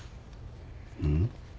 うん？